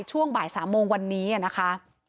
ช่วงบ่าย๓โมงวันนี้นะคะ